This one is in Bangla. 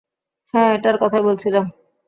হ্যাঁ, এটার কথাই বলছিলাম।